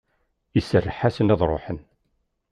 Iserreḥ-asen ad ruḥen.